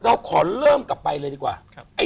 เราขอเริ่มกลับไปเลยดีกว่า